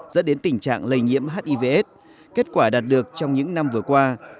dẫn đến tình trạng lây nhiễm hivs kết quả đạt được trong những năm vừa qua